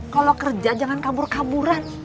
kalau kerja jangan kabur kaburan